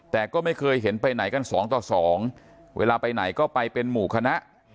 แต่ก็ไม่เคยเห็นไปไหนกันสองต่อสองเวลาไปไหนก็ไปเป็นหมู่คณะ